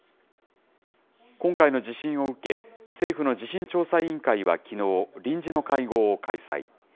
今回の地震を受け、政府の地震調査委員会はきのう、臨時の会合を開催。